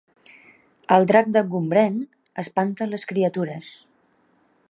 El drac de Gombrèn espanta les criatures